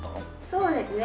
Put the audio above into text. そうですね。